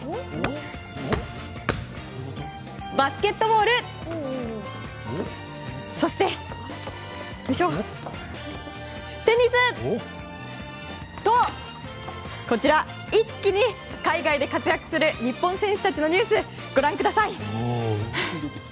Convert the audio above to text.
バスケットボールそして、テニス！と、こちら一気に海外で活躍する日本選手たちのニュースご覧ください！